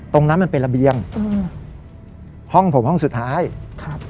มันเป็นระเบียงอืมห้องผมห้องสุดท้ายครับ